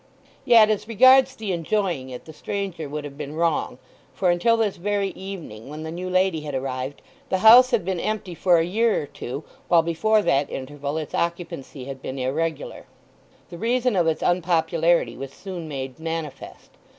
Yet as regards the enjoying it the stranger would have been wrong, for until this very evening, when the new lady had arrived, the house had been empty for a year or two while before that interval its occupancy had been irregular. The reason of its unpopularity was soon made manifest.